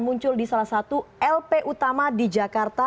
muncul di salah satu lp utama di jakarta